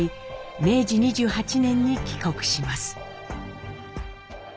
明治２８年に帰国します。